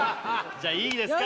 じゃあいいですか？